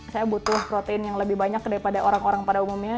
saya butuh protein yang lebih banyak daripada orang orang pada umumnya